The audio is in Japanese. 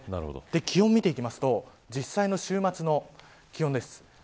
気温を見ていきますと実際の週末の気温です。